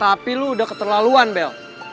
tapi lo udah keterlaluan bel